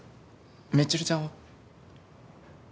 みちるちゃんは？